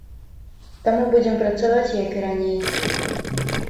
Таму будзем працаваць, як і раней.